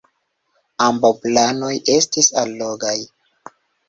Ambaŭ planoj estis allogaj.